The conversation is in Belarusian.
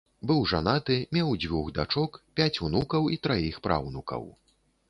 Быў жанаты, меў дзвюх дочак, пяць унукаў і траіх праўнукаў.